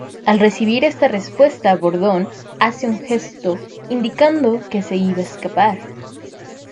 Al recibir esta respuesta Bordón hace un gesto indicando que se iba a escapar.